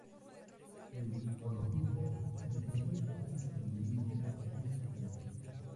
El holotipo representa un individuo bastante pequeño.